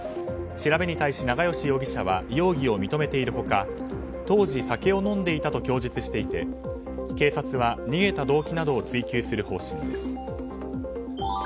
調べに対し永吉容疑者は容疑を認めている他当時、酒を飲んでいたと供述していて警察は逃げた動機などを追及する方針です。